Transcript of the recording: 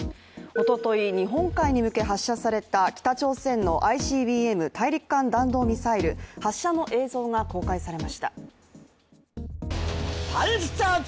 おととい日本海に向け発射された北朝鮮のＩＣＢＭ＝大陸間弾道ミサイル発射の映像が公開されました。